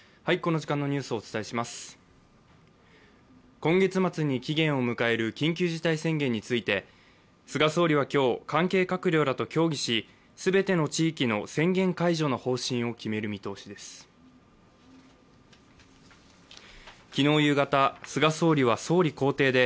今月末に期限を迎える緊急事態宣言について菅総理は今日、関係閣僚らと協議し全ての地域の宣言解除の方針を決める見通しです。